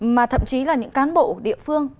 mà thậm chí là những cán bộ địa phương